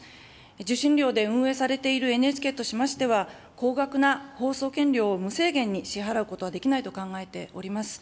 受信料で運営されているＮＨＫとしましては、高額な放送権料を無制限に支払うことはできないと考えております。